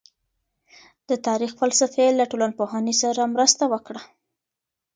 د تاريخ فلسفې له ټولنپوهنې سره مرسته وکړه.